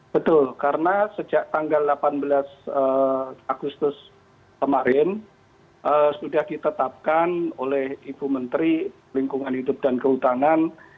betul karena sejak tanggal delapan belas agustus kemarin sudah ditetapkan oleh ibu menteri lingkungan hidup dan kehutanan